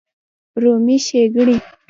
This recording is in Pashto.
رومي ښېګڼې